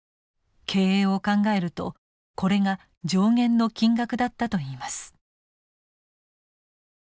経営を考えるとこれが上限の金額だったといいます。